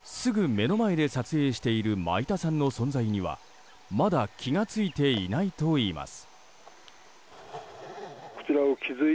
この時、すぐ目の前で撮影している米田さんの存在にはまだ気が付いていないといいます。